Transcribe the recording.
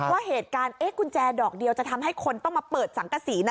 ว่าเหตุการณ์กุญแจดอกเดียวจะทำให้คนต้องมาเปิดสังกษีนะ